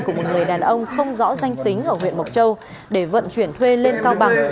của một người đàn ông không rõ danh tính ở huyện mộc châu để vận chuyển thuê lên cao bằng